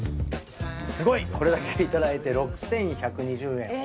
すごいこれだけいただいて６，１２０円。